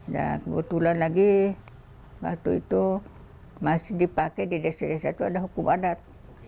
kebetulan lagi waktu itu masih dipakai di desa desa itu ada hukum adat